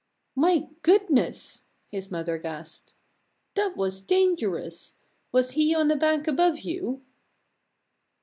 "My goodness!" his mother gasped. "That was dangerous. Was he on a bank above you?"